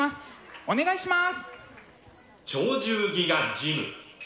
お願いします。